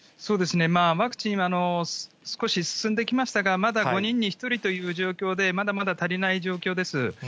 ワクチンは少し進んできましたが、まだ５人に１人という状況で、まだまだ足りない状況です。